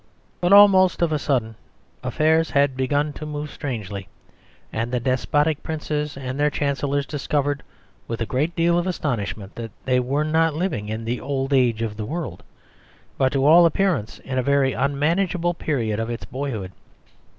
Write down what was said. But almost of a sudden affairs had begun to move strangely, and the despotic princes and their chancellors discovered with a great deal of astonishment that they were not living in the old age of the world, but to all appearance in a very unmanageable period of its boyhood.